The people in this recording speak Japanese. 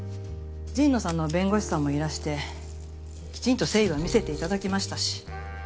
神野さんの弁護士さんもいらしてきちんと誠意は見せていただきましたし。